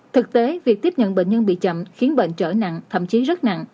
thực tế việc tiếp nhận bệnh nhân bị chậm khiến bệnh trở nặng thậm chí rất nặng